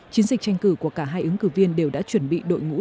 chiến dịch tranh cử của cả hai ứng cử viên đều đã chuẩn bị đội ngũ